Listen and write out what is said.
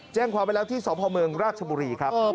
แจ้งความไปแล้วที่สพเมืองราชบุรีครับ